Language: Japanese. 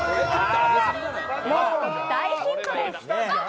もう大ヒントです。